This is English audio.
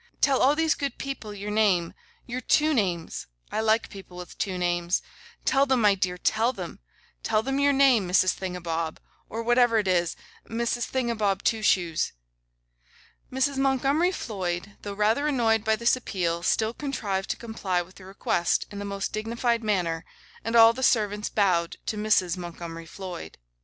Tell all these good people your name; your two names! I like people with two names. Tell them, my dear, tell them; tell them your name, Mrs. Thingabob, or whatever it is, Mrs. Thingabob Twoshoes.' Mrs. Montgomery Floyd, though rather annoyed by this appeal, still contrived to comply with the request in the most dignified manner; and all the servants bowed to Mrs. Montgomery Floyd.